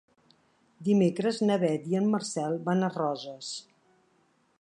Dimecres na Beth i en Marcel van a Roses.